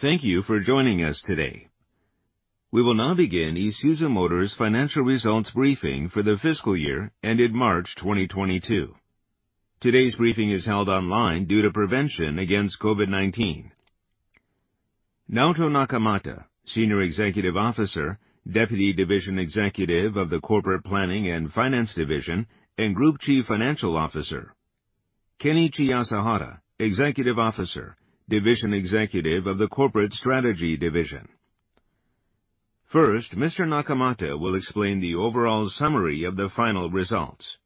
Thank you for joining us today. We will now begin Isuzu Motors Financial Results Briefing for the fiscal year ended March 2022. Today's briefing is held online due to prevention against COVID-19. Naoto Nakamata, Senior Executive Officer, Deputy Division Executive of the Corporate Planning & Finance Division and Group Chief Financial Officer. Kenichi Asahara, Executive Officer, Division Executive of the Corporate Strategy Division. First, Mr. Nakata will explain the overall summary of the final results.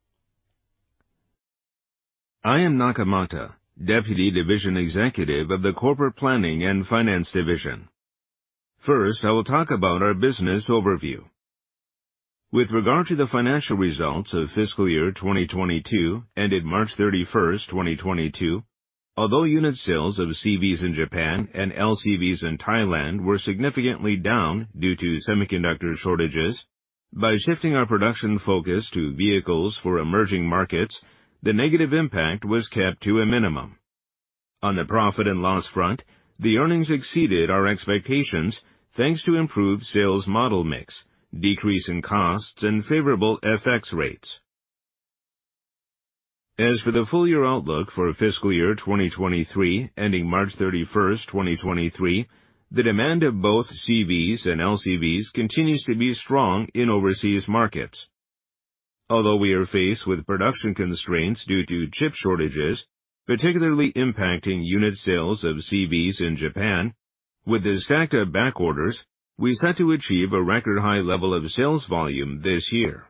I am Nakata, Deputy Division Executive of the Corporate Planning & Finance Division. First, I will talk about our business overview. With regard to the financial results of fiscal year 2022, ended March 31st, 2022, although unit sales of CVs in Japan and LCVs in Thailand were significantly down due to semiconductor shortages, by shifting our production focus to vehicles for emerging markets, the negative impact was kept to a minimum. On the profit and loss front, the earnings exceeded our expectations, thanks to improved sales model mix, decrease in costs and favorable FX rates. As for the full year outlook for fiscal year 2023, ending March 31st, 2023, the demand of both CVs and LCVs continues to be strong in overseas markets. Although we are faced with production constraints due to chip shortages, particularly impacting unit sales of CVs in Japan, with the stack of back orders, we're set to achieve a record high level of sales volume this year.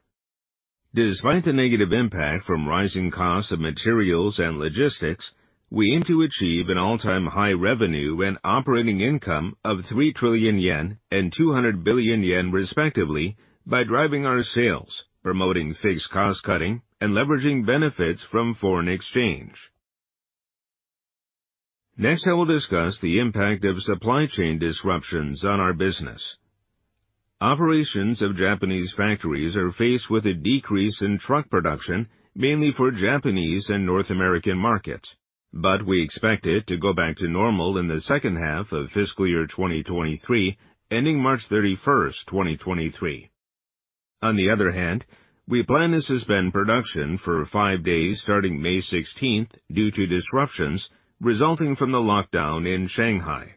Despite the negative impact from rising costs of materials and logistics, we aim to achieve an all-time high revenue and operating income of 3 trillion yen and 200 billion yen respectively, by driving our sales, promoting fixed cost cutting and leveraging benefits from foreign exchange. Next, I will discuss the impact of supply chain disruptions on our business. Operations of Japanese factories are faced with a decrease in truck production, mainly for Japanese and North American markets. We expect it to go back to normal in the second half of fiscal year 2023, ending March 31st, 2023. On the other hand, we plan to suspend production for five days starting May 16, due to disruptions resulting from the lockdown in Shanghai.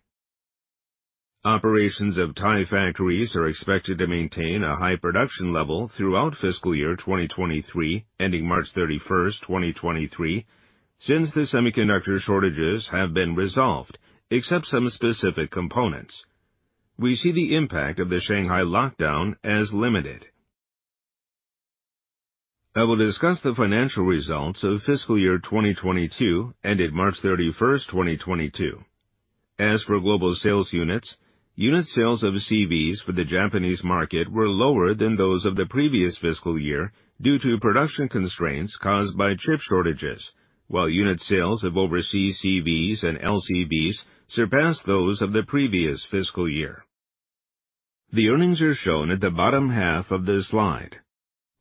Operations of Thai factories are expected to maintain a high production level throughout fiscal year 2023, ending March 31st, 2023, since the semiconductor shortages have been resolved, except some specific components. We see the impact of the Shanghai lockdown as limited. I will discuss the financial results of fiscal year 2022, ended March 31st, 2022. As for global sales units, unit sales of CVs for the Japanese market were lower than those of the previous fiscal year due to production constraints caused by chip shortages, while unit sales of overseas CVs and LCVs surpassed those of the previous fiscal year. The earnings are shown at the bottom half of the slide.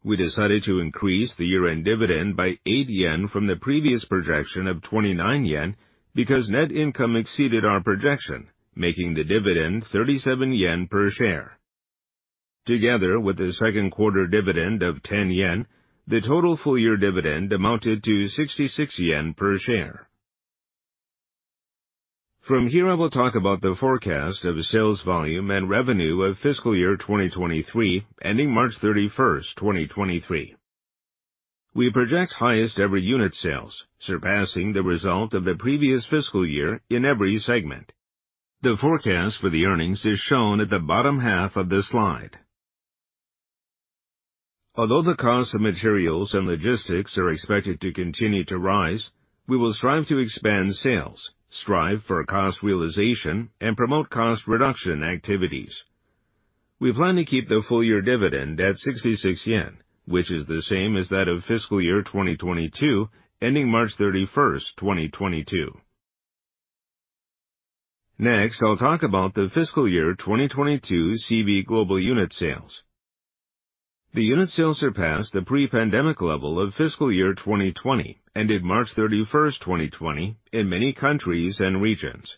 We decided to increase the year-end dividend by 8 yen from the previous projection of 29 yen, making the dividend 37 yen per share. Together with the second quarter dividend of 10 yen, the total full year dividend amounted to 66 yen per share. From here, I will talk about the forecast of sales volume and revenue of fiscal year 2023, ending March 31st, 2023. We project highest ever unit sales, surpassing the result of the previous fiscal year in every segment. The forecast for the earnings is shown at the bottom half of the slide. Although the cost of materials and logistics are expected to continue to rise, we will strive to expand sales, strive for cost realization, and promote cost reduction activities. We plan to keep the full year dividend at 66 yen, which is the same as that of fiscal year 2022, ending March 31st, 2022. Next, I'll talk about the fiscal year 2022 CV global unit sales. The unit sales surpassed the pre-pandemic level of fiscal year 2020, ended March 31st, 2020, in many countries and regions.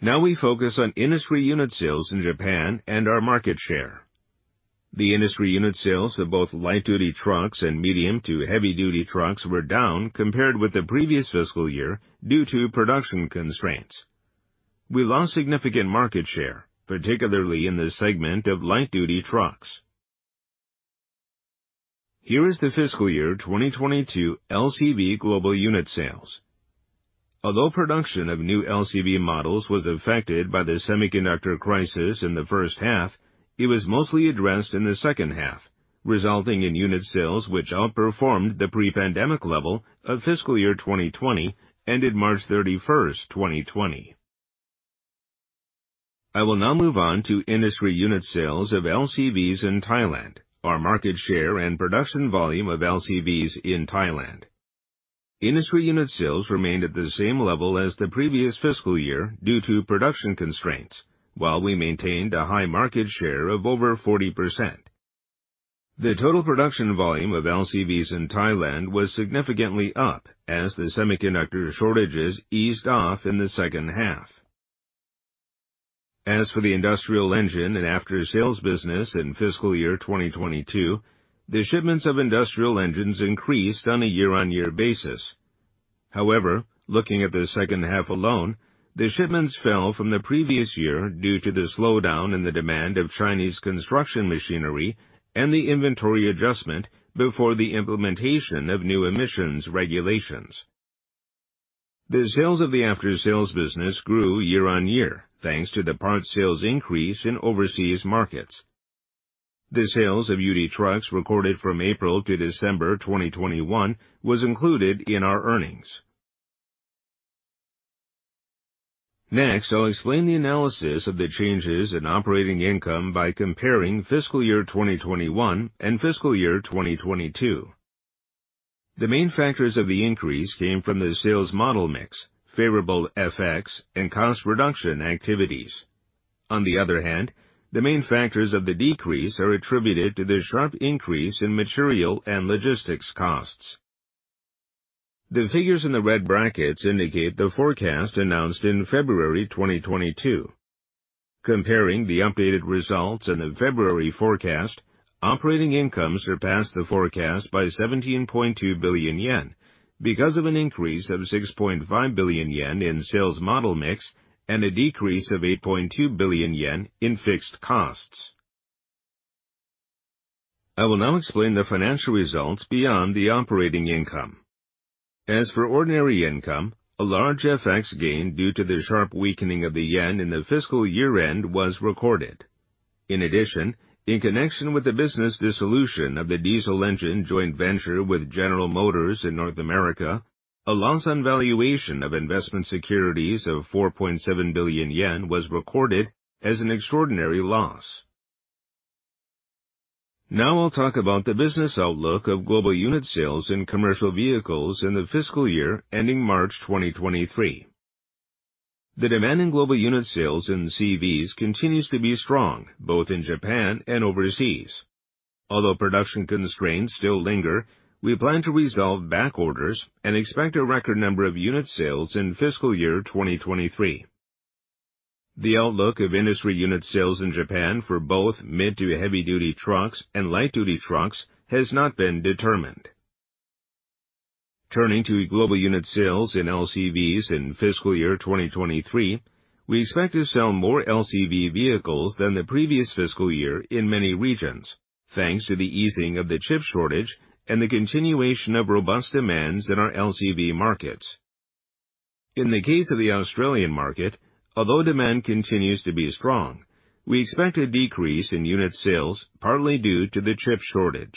Now we focus on industry unit sales in Japan and our market share. The industry unit sales of both light-duty trucks and medium to heavy-duty trucks were down compared with the previous fiscal year due to production constraints. We lost significant market share, particularly in the segment of light-duty trucks. Here is the fiscal year 2022 LCV global unit sales. Although production of new LCV models was affected by the semiconductor crisis in the first half, it was mostly addressed in the second half, resulting in unit sales which outperformed the pre-pandemic level of fiscal year 2020, ended March 31st, 2020. I will now move on to industry unit sales of LCVs in Thailand, our market share and production volume of LCVs in Thailand. Industry unit sales remained at the same level as the previous fiscal year due to production constraints, while we maintained a high market share of over 40%. The total production volume of LCVs in Thailand was significantly up as the semiconductor shortages eased off in the second half. As for the industrial engine and after-sales business in fiscal year 2022, the shipments of industrial engines increased on a year-on-year basis. However, looking at the second half alone, the shipments fell from the previous year due to the slowdown in the demand of Chinese construction machinery and the inventory adjustment before the implementation of new emissions regulations. The sales of the after-sales business grew year-on-year, thanks to the part sales increase in overseas markets. The sales of UD Trucks recorded from April to December 2021 was included in our earnings. Next, I'll explain the analysis of the changes in operating income by comparing fiscal year 2021 and fiscal year 2022. The main factors of the increase came from the sales model mix, favorable FX and cost reduction activities. On the other hand, the main factors of the decrease are attributed to the sharp increase in material and logistics costs. The figures in the red brackets indicate the forecast announced in February 2022. Comparing the updated results in the February forecast, operating income surpassed the forecast by 17.2 billion yen because of an increase of 6.5 billion yen in sales model mix and a decrease of 8.2 billion yen in fixed costs. I will now explain the financial results beyond the operating income. As for ordinary income, a large FX gain due to the sharp weakening of the yen in the fiscal year-end was recorded. In addition, in connection with the business dissolution of the diesel engine joint venture with General Motors in North America, a loss on valuation of investment securities of 4.7 billion yen was recorded as an extraordinary loss. Now I'll talk about the business outlook of global unit sales in commercial vehicles in the fiscal year ending March 2023. The demand in global unit sales in CVs continues to be strong, both in Japan and overseas. Although production constraints still linger, we plan to resolve back orders and expect a record number of unit sales in fiscal year 2023. The outlook of industry unit sales in Japan for both mid to heavy-duty trucks and light-duty trucks has not been determined. Turning to global unit sales in LCVs in fiscal year 2023, we expect to sell more LCV vehicles than the previous fiscal year in many regions, thanks to the easing of the chip shortage and the continuation of robust demands in our LCV markets. In the case of the Australian market, although demand continues to be strong, we expect a decrease in unit sales, partly due to the chip shortage.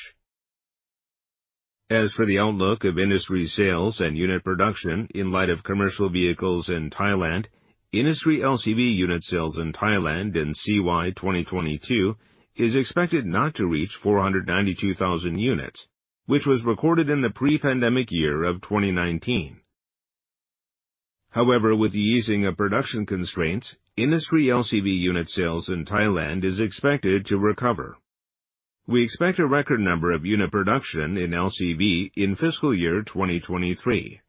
As for the outlook of industry sales and unit production in light of commercial vehicles in Thailand, industry LCV unit sales in Thailand in CY 2022 is expected not to reach 492,000 units, which was recorded in the pre-pandemic year of 2019. However, with the easing of production constraints, industry LCV unit sales in Thailand is expected to recover. We expect a record number of unit production in LCV in fiscal year 2023.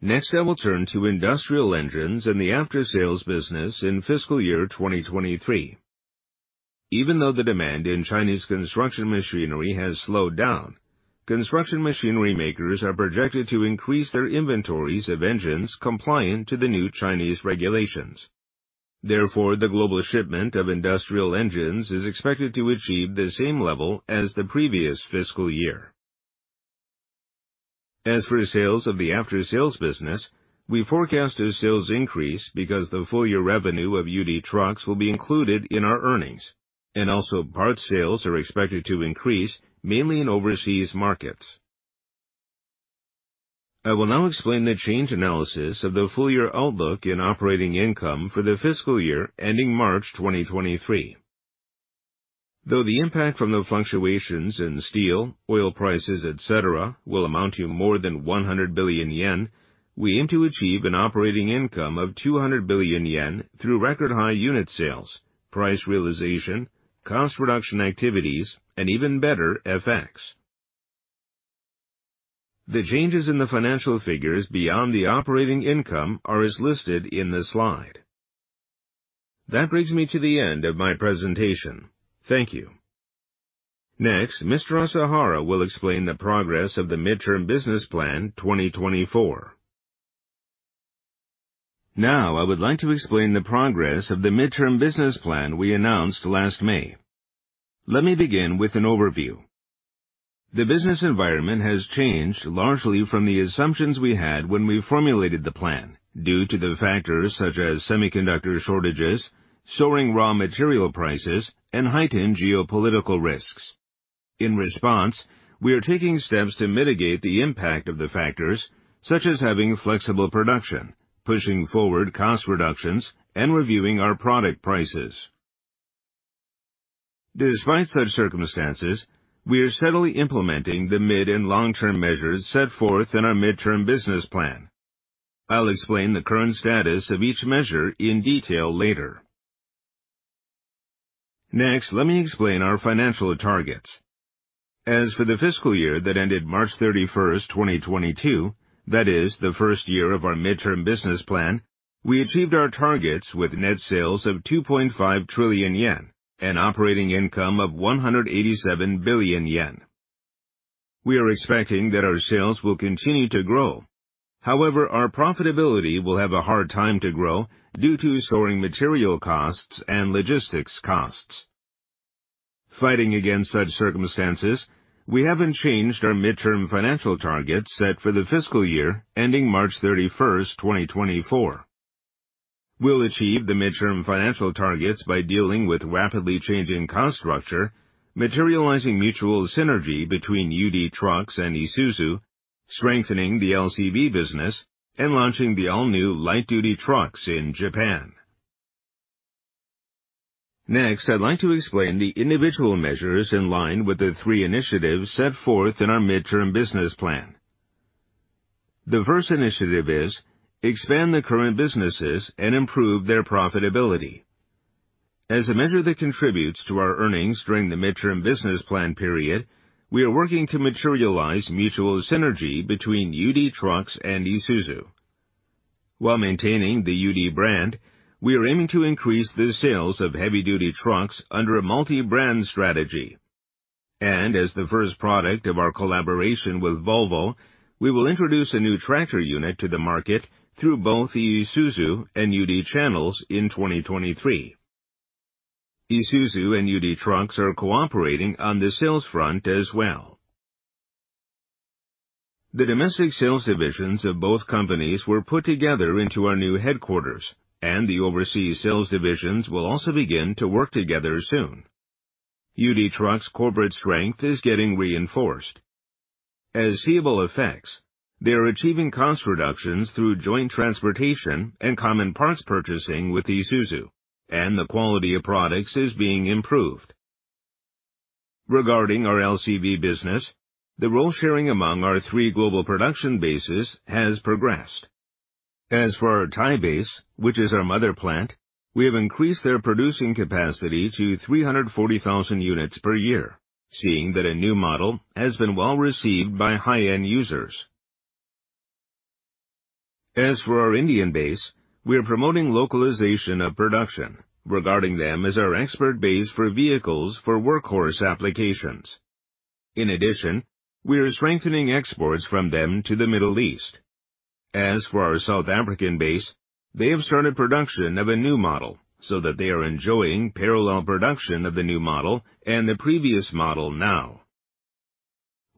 Next, I will turn to industrial engines and the after-sales business in fiscal year 2023. Even though the demand in Chinese construction machinery has slowed down, construction machinery makers are projected to increase their inventories of engines compliant to the new Chinese regulations. Therefore, the global shipment of industrial engines is expected to achieve the same level as the previous fiscal year. As for sales of the after-sales business, we forecast a sales increase because the full year revenue of UD Trucks will be included in our earnings, and also parts sales are expected to increase, mainly in overseas markets. I will now explain the change analysis of the full year outlook in operating income for the fiscal year ending March 2023. Though the impact from the fluctuations in steel, oil prices, et cetera, will amount to more than 100 billion yen, we aim to achieve an operating income of 200 billion yen through record high unit sales, price realization, cost reduction activities, and even better FX. The changes in the financial figures beyond the operating income are as listed in the slide. That brings me to the end of my presentation. Thank you. Next, Mr. Asahara will explain the progress of the Mid-Term Business Plan 2024. Now I would like to explain the progress of the Mid-Term Business Plan we announced last May. Let me begin with an overview. The business environment has changed largely from the assumptions we had when we formulated the plan due to the factors such as semiconductor shortages, soaring raw material prices, and heightened geopolitical risks. In response, we are taking steps to mitigate the impact of the factors, such as having flexible production, pushing forward cost reductions, and reviewing our product prices. Despite such circumstances, we are steadily implementing the mid and long-term measures set forth in our Mid-Term Business Plan. I'll explain the current status of each measure in detail later. Next, let me explain our financial targets. As for the fiscal year that ended March 31st, 2022, that is the first year of our Mid-Term Business Plan, we achieved our targets with net sales of 2.5 trillion yen and operating income of 187 billion yen. We are expecting that our sales will continue to grow. However, our profitability will have a hard time to grow due to soaring material costs and logistics costs. Fighting against such circumstances, we haven't changed our Mid-Term financial targets set for the fiscal year ending March 31st, 2024. We'll achieve the Mid-Term financial targets by dealing with rapidly changing cost structure, materializing mutual synergy between UD Trucks and Isuzu, strengthening the LCV business, and launching the all-new light duty trucks in Japan. Next, I'd like to explain the individual measures in line with the three initiatives set forth in our Mid-Term Business Plan. The first initiative is expand the current businesses and improve their profitability. As a measure that contributes to our earnings during the Mid-Term Business Plan period, we are working to materialize mutual synergy between UD Trucks and Isuzu. While maintaining the UD brand, we are aiming to increase the sales of heavy-duty trucks under a multi-brand strategy. As the first product of our collaboration with Volvo, we will introduce a new tractor unit to the market through both Isuzu and UD channels in 2023. Isuzu and UD Trucks are cooperating on the sales front as well. The domestic sales divisions of both companies were put together into our new headquarters, and the overseas sales divisions will also begin to work together soon. UD Trucks corporate strength is getting reinforced. As visible effects, they are achieving cost reductions through joint transportation and common parts purchasing with Isuzu, and the quality of products is being improved. Regarding our LCV business, the role sharing among our three global production bases has progressed. As for our Thai base, which is our mother plant, we have increased their producing capacity to 340,000 units per year, seeing that a new model has been well received by high-end users. As for our Indian base, we are promoting localization of production regarding them as our export base for vehicles for workhorse applications. In addition, we are strengthening exports from them to the Middle East. As for our South African base, they have started production of a new model so that they are enjoying parallel production of the new model and the previous model now.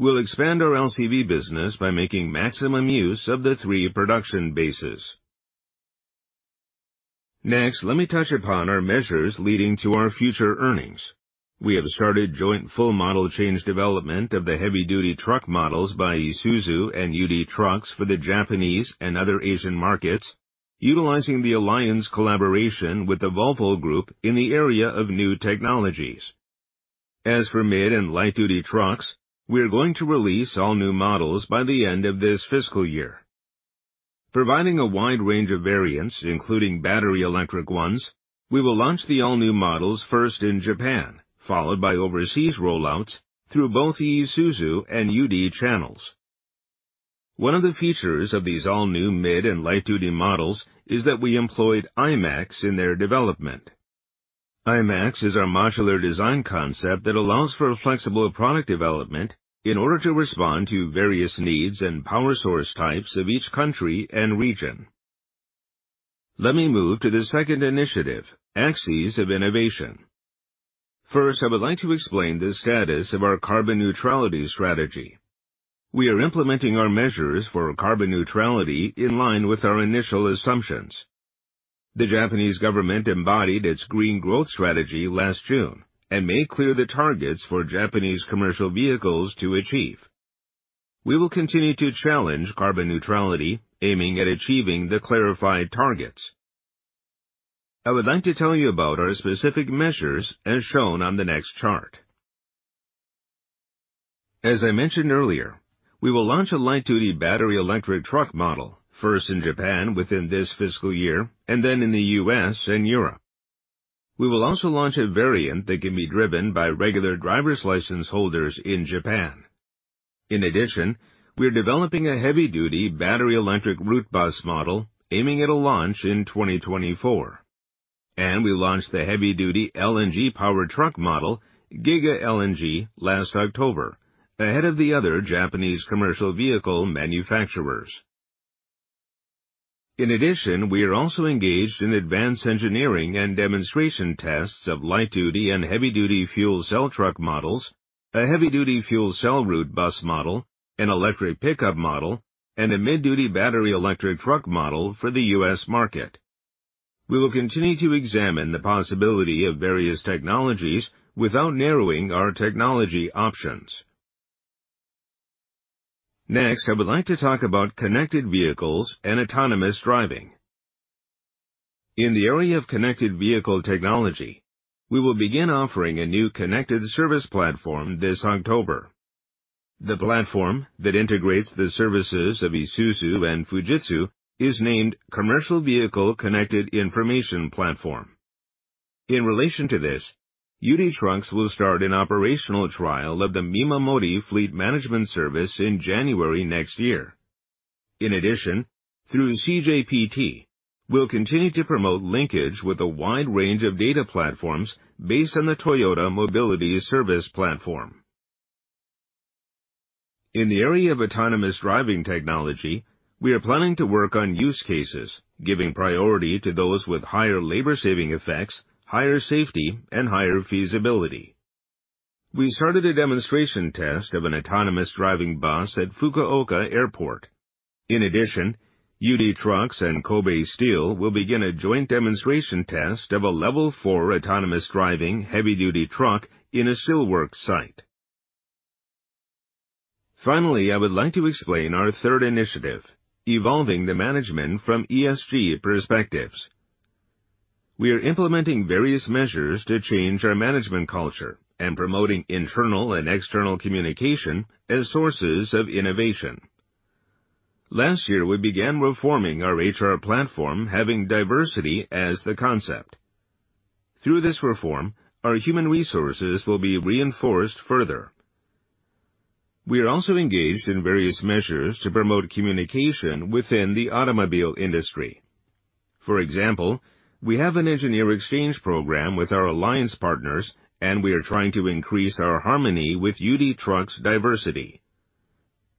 We'll expand our LCV business by making maximum use of the three production bases. Next, let me touch upon our measures leading to our future earnings. We have started joint full model change development of the heavy-duty truck models by Isuzu and UD Trucks for the Japanese and other Asian markets, utilizing the alliance collaboration with the Volvo Group in the area of new technologies. As for mid and light duty trucks, we are going to release all new models by the end of this fiscal year. Providing a wide range of variants, including battery electric ones, we will launch the all-new models first in Japan, followed by overseas rollouts through both Isuzu and UD channels. One of the features of these all new mid and light duty models is that we employed I-MACS in their development. I-MACS is our modular design concept that allows for a flexible product development in order to respond to various needs and power source types of each country and region. Let me move to the second initiative, axis of innovation. First, I would like to explain the status of our carbon neutrality strategy. We are implementing our measures for carbon neutrality in line with our initial assumptions. The Japanese government embodied its green growth strategy last June and made clear the targets for Japanese commercial vehicles to achieve. We will continue to challenge carbon neutrality, aiming at achieving the clarified targets. I would like to tell you about our specific measures as shown on the next chart. As I mentioned earlier, we will launch a light duty battery electric truck model first in Japan within this fiscal year, and then in the U.S. and Europe. We will also launch a variant that can be driven by regular driver's license holders in Japan. In addition, we are developing a heavy-duty battery electric route bus model aiming at a launch in 2024. We launched the heavy-duty LNG powered truck model, GIGA LNG, last October, ahead of the other Japanese commercial vehicle manufacturers. In addition, we are also engaged in advanced engineering and demonstration tests of light duty and heavy-duty fuel cell truck models, a heavy-duty fuel cell route bus model, an electric pickup model, and a mid duty battery electric truck model for the U.S. market. We will continue to examine the possibility of various technologies without narrowing our technology options. Next, I would like to talk about connected vehicles and autonomous driving. In the area of connected vehicle technology, we will begin offering a new connected service platform this October. The platform that integrates the services of Isuzu and Fujitsu is named Commercial Vehicle Connected Information Platform. In relation to this, UD Trucks will start an operational trial of the MIMAMORI Fleet Management service in January next year. In addition, through CJPT, we'll continue to promote linkage with a wide range of data platforms based on the Toyota Mobility Service Platform. In the area of autonomous driving technology, we are planning to work on use cases, giving priority to those with higher labor-saving effects, higher safety and higher feasibility. We started a demonstration test of an autonomous driving bus at Fukuoka Airport. In addition, UD Trucks and Kobe Steel will begin a joint demonstration test of a Level four autonomous driving heavy-duty truck in a steelworks site. Finally, I would like to explain our third initiative, evolving the management from ESG perspectives. We are implementing various measures to change our management culture and promoting internal and external communication as sources of innovation. Last year, we began reforming our HR platform, having diversity as the concept. Through this reform, our human resources will be reinforced further. We are also engaged in various measures to promote communication within the automobile industry. For example, we have an engineer exchange program with our alliance partners, and we are trying to increase our harmony with UD Trucks diversity.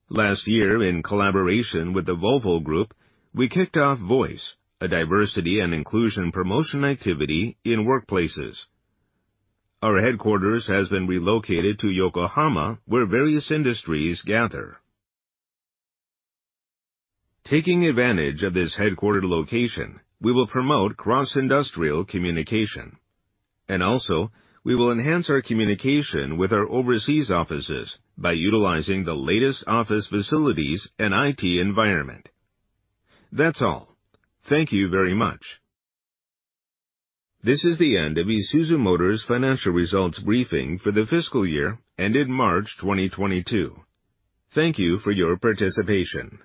Last year, in collaboration with the Volvo Group, we kicked off Voice, a diversity and inclusion promotion activity in workplaces. Our headquarters has been relocated to Yokohama, where various industries gather. Taking advantage of this headquarters location, we will promote cross-industrial communication, and also we will enhance our communication with our overseas offices by utilizing the latest office facilities and IT environment. That's all. Thank you very much. This is the end of Isuzu Motors Financial Results briefing for the fiscal year ended March 2022. Thank you for your participation.